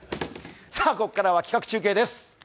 ここからは企画中継です。